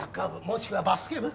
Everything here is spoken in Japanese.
もしくはバスケ部？